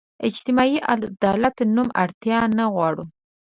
اجتماعي عدالت نوم اړتیا نه غواړو.